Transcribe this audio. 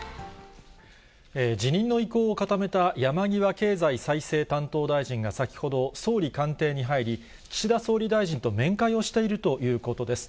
辞任の意向を固めた山際経済再生担当大臣が、先ほど、総理官邸に入り、岸田総理大臣と面会をしているということです。